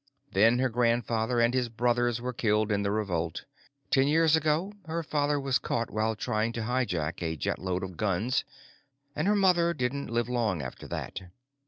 Then her grandfather and all his brothers were killed in the revolt. Ten years ago, her father was caught while trying to hijack a jetload of guns, and her mother didn't live long after that.